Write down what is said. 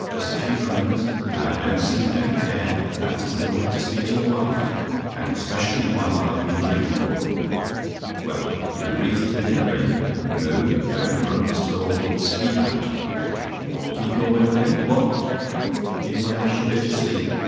Just a few friends? Now don't say you don't care that isn't the way to speak to a wife; and especially the wife I've been to you, Caudle. Well, you agree to the dinner, eh? Now, don't grunt, Mr. Caudle, but speak out. You'll keep your wedding day? What? "IF I LET YOU GO TO SLEEP?